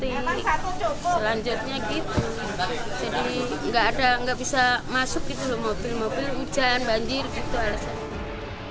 selanjutnya gitu jadi nggak ada nggak bisa masuk gitu loh mobil mobil hujan banjir gitu alasannya